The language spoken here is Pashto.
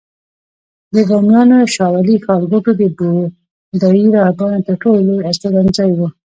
د بامیانو شاولې ښارګوټی د بودایي راهبانو تر ټولو لوی استوګنځای و